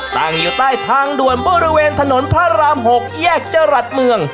ตั้งอยู่ใต้ทางด่วนบริเวณถนนพระราม๖แยกจรัสเมือง